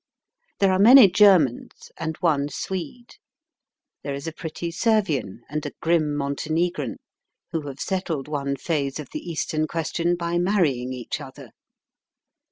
There are many Germans and one Swede. There is a pretty Servian and a grim Montenegrin, who have settled one phase of the Eastern Question by marrying each other.